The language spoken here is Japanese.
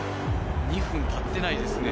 ２分たってないですね。